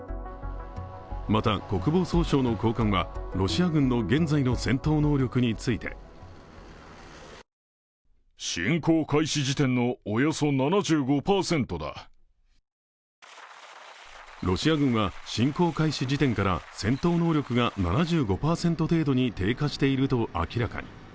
また、国防総省の高官はロシア軍の現在の戦闘能力についてロシア軍は侵攻開始時点から戦闘能力が７５％程度に低下していると明らかに。